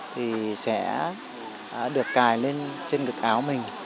thì sẽ được cài lên trên ngực áo mình